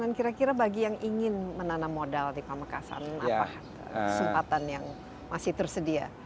dan kira kira bagi yang ingin menanam modal di pamekasan apa yang masih tersedia